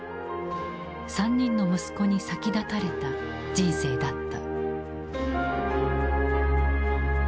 ３人の息子に先立たれた人生だった。